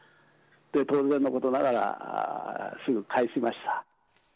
当然のことながら、すぐ返しました。